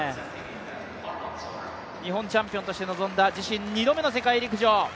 日本チャンピオンとして臨んだ、自身２度目の世界陸上。